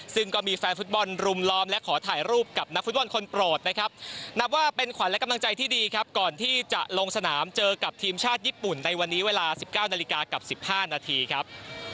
ซึ่งก็มีแฟนฟุตบอลรุมล้อมและขอถ่ายรูปกับนักฟุตบอลคนโปรดนะครับนับว่าเป็นขวัญและกำลังใจที่ดีครับก่อนที่จะลงสนามเจอกับทีมชาติญี่ปุ่นในวันนี้เวลา๑๙นาฬิกากับ๑๕นาทีครับ